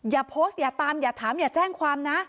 อย่าโพสต์อย่าตามอย่าถามอย่าแจ้งความนะ